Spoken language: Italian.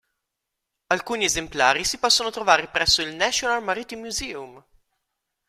Alcuni esemplari si possono trovare presso il National Maritime Museum.